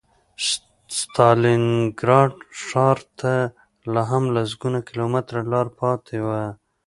د ستالینګراډ ښار ته لا هم لسګونه کیلومتره لاره پاتې وه